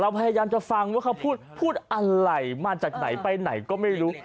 พยายามจะฟังว่าเขาพูดพูดอะไรมาจากไหนไปไหนก็ไม่รู้